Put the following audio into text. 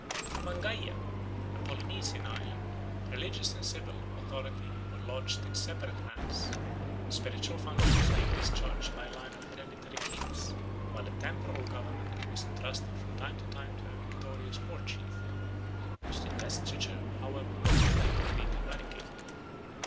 In Mangaia, a Polynesian island, religious and civil authority were lodged in separate hands, spiritual functions being discharged by a line of hereditary kings, while the temporal government was entrusted from time to time to a victorious war chief, whose investiture, however, had to be completed by the king.